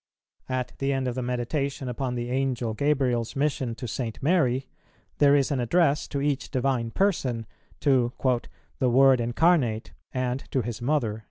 At the end of the Meditation upon the Angel Gabriel's mission to St. Mary, there is an address to each Divine Person, to "the Word Incarnate and to His Mother."